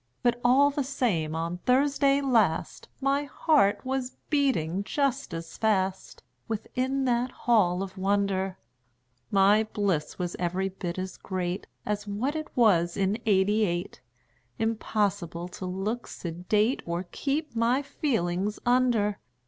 But all the same on Thursday last My heart was beating just as fast Within that Hall of Wonder; My bliss was every bit as great As what it was in '88 Impossible to look sedate Or keep my feelings under.